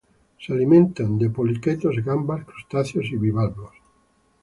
Se alimenta de poliquetos, gambas, crustáceos y bivalvos.